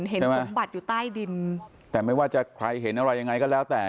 เห็นสมบัติอยู่ใต้ดินแต่ไม่ว่าจะใครเห็นอะไรยังไงก็แล้วแต่